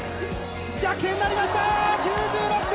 逆転になりました！